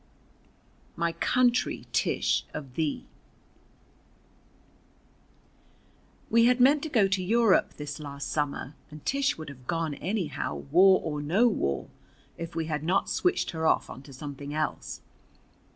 MY COUNTRY TISH OF THEE We had meant to go to Europe this last summer, and Tish would have gone anyhow, war or no war, if we had not switched her off onto something else.